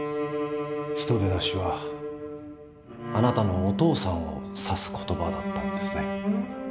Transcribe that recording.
人でなしはあなたのお父さんを指す言葉だったんですね。